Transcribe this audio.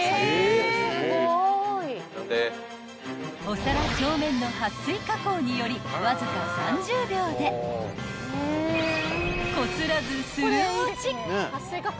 ［お皿表面の撥水加工によりわずか３０秒でこすらずするん落ち！］